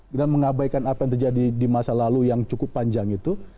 dengan mengabaikan apa yang terjadi di masa lalu yang cukup panjang itu